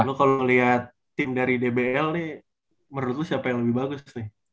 lu kalo liat tim dari dbl nih menurut lu siapa yang lebih bagus nih